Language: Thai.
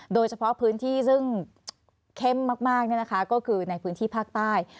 โดยเฉพาะพื้นที่ซึ่งเข้มมากก็คือในพื้นที่ภาคใต้